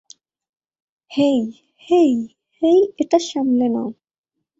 হেই, hey, hey, এটা সামলে নাও।